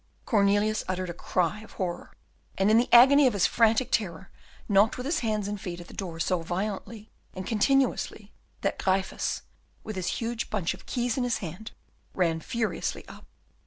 Cornelius uttered a cry of horror, and in the agony of his frantic terror knocked with his hands and feet at the door so violently and continuously, that Gryphus, with his huge bunch of keys in his hand, ran furiously up.